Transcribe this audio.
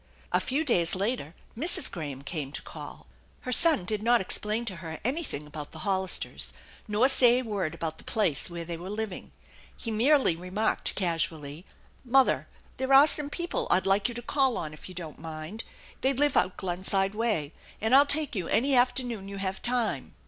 A few days later Mrs. Graham came to call. Her son did not explain to her anything about the Hoi THE ENCHANTED BARN 159 listers, nor say a word about the place where they were living. He merely remarked casually :" Mother, there are some people I'd like you to call on if you don't mind. They live out Glenside way, and I'll take you any afternoon you have time."